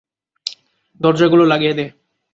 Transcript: দরজাগুলো লাগিয়ে দে।